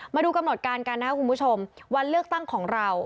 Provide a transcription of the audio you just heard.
มาดูกำหนดการกันนะครับคุณผู้ชมวันเลือกตั้งของเรา